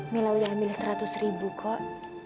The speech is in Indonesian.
mila udah ambil seratus ribu kok